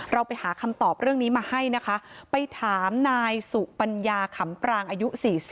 เราไปหาคำตอบเรื่องนี้มาให้นะคะไปถามนายสุปัญญาขำปรางอายุ๔๐